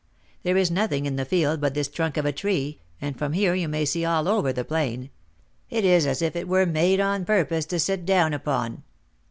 There is nothing in the field but this trunk of a tree, and from here you may see all over the plain; it is as if it were made on purpose to sit down upon.